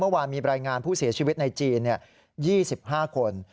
เมื่อวานมีรายงานผู้เสียชีวิตในจีน๒๕คน